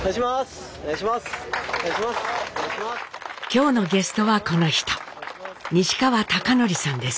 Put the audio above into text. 今日のゲストはこの人。